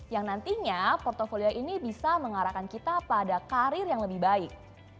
yang nantinya portfolio ini bisa mengarahkan kita pada karir yang lebih baik